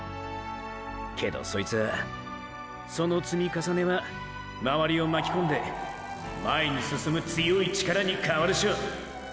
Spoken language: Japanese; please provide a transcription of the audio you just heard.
けどそいつはその積み重ねはまわりをまきこんで前に進む強い力に変わるショ！！